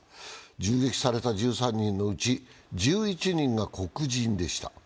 銃撃された１３人のうち１１人が黒人でした。